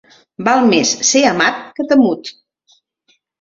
Val més ser amat que temut.